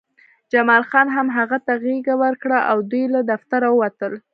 جمال خان هم هغه ته غېږه ورکړه او دوی له دفتر ووتل